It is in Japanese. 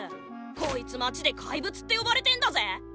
こいつ街で怪物って呼ばれてんだぜ！